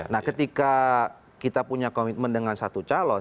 nah ketika kita punya komitmen dengan satu calon